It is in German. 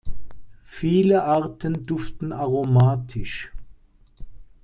Viele Arten duften aromatisch.